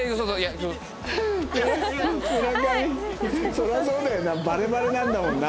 そりゃそうだよなバレバレなんだもんな。